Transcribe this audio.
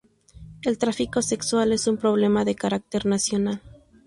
El tráfico sexual es un problema de carácter nacional.